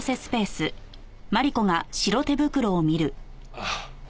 ああ。